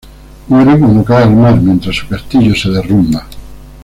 Muere cuando cae al mar, mientras su castillo se derrumba.